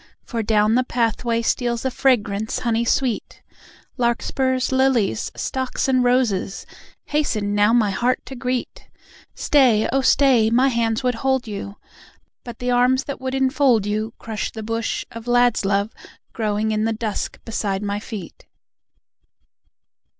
For down the path way Steals a fragrance honey sweet. Larkspurs, lilies, stocks, and roses, Hasten now my heart to greet. Stay, oh, stay! My hands would hold you ... But the arms that would enfold you Crush the bush of lad's love growing in the dusk beside my feet.